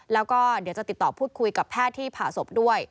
แล้วก็เดี๋ยวจะติดต่อพูดคุยกับแพทย์ที่ผ่าศพด้วย